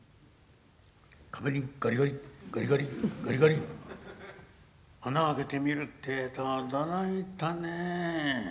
「壁にガリガリガリガリガリガリ穴開けて見るってえと驚いたね。